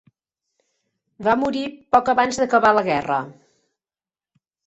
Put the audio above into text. Va morir poc abans d'acabar la guerra.